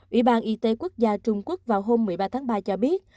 ủy ban y tế quốc gia trung quốc vào hôm một mươi ba tháng ba cho biết